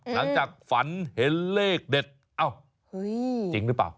หลังจากฝันเห็นเลขเด็ดเอ้าจริงหรือเปล่า